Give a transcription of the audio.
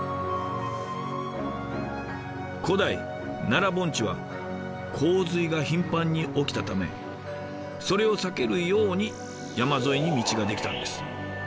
古代奈良盆地は洪水が頻繁に起きたためそれを避けるように山沿いに道ができたんです。